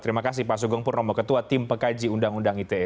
terima kasih pak sugeng purnomo ketua tim pekaji undang undang ite